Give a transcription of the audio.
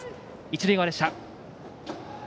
一塁側でした。